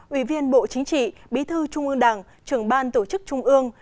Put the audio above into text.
ủy viên bộ chính trị bí thư trung ương đảng trưởng ban tổ chức trung ương